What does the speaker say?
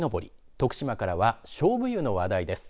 徳島からはしょうぶ湯の話題です。